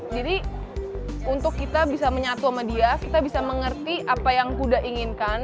jadi untuk kita bisa menyatu sama dia kita bisa mengerti apa yang kuda inginkan